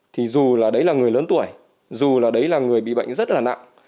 thì dù là đấy là người lớn tuổi dù là đấy là người bị bệnh rất là nặng